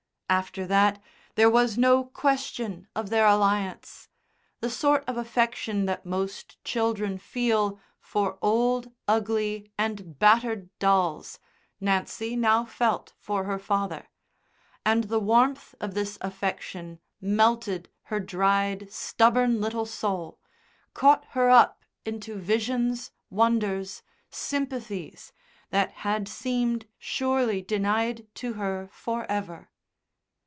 After that there was no question of their alliance. The sort of affection that most children feel for old, ugly, and battered dolls, Nancy now felt for her father, and the warmth of this affection melted her dried, stubborn little soul, caught her up into visions, wonders, sympathies that had seemed surely denied to her for ever.